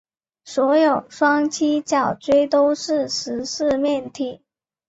所有双七角锥都是十四面体。